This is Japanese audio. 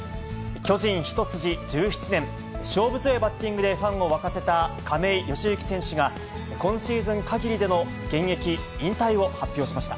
巨人一筋１７年、勝負強いバッティングでファンを沸かせた亀井善行選手が、今シーズンかぎりでの現役引退を発表しました。